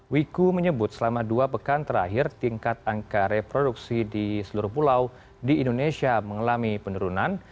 wiku menyebut selama dua pekan terakhir tingkat angka reproduksi di seluruh pulau di indonesia mengalami penurunan